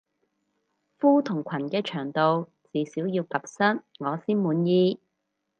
褲同裙嘅長度至少要及膝我先滿意